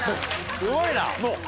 すごいな。